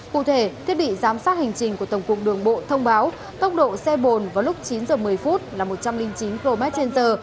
cụ thể thiết bị giám sát hành trình của tổng cục đường bộ thông báo tốc độ xe bồn vào lúc chín h một mươi là một trăm linh chín km trên giờ